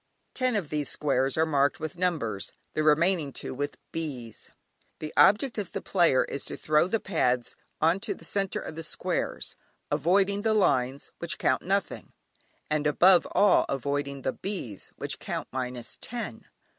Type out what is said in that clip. Ten of these squares are marked with numbers, the remaining two with "Bs." The object of the player is to throw the pads on to the centre of the squares, avoiding the lines, which count nothing, and above all avoiding the "Bs," which count "minus ten."